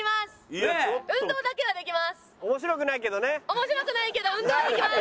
面白くないけど運動はできます！